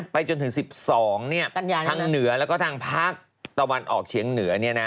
ไปจนถึง๑๒ทางเหนือแล้วก็ทางภาคตะวันออกเฉียงเหนือ